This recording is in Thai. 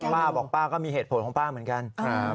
ป้าบอกป้าก็มีเหตุผลของป้าเหมือนกัน